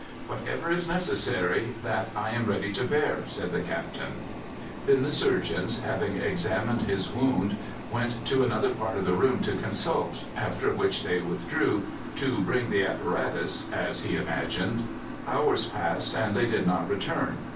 "Whatever is necessary, that I am ready to bear," said the Captain. Then the surgeons, having examined his wound, went to another part of the room to consult, after which they withdrew to bring the apparatus, as he imagined. Hours passed, and they did not return.